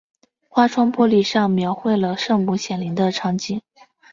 花窗玻璃上描绘了圣母显灵的场景。